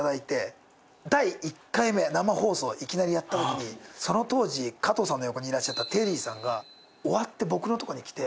生放送いきなりやった時にその当時加藤さんの横にいたテリーさんが終わって僕のとこに来て。